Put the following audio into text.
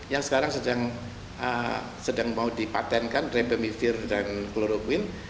yang sekarang sedang mau dipatenkan ribamifir dan kloropuin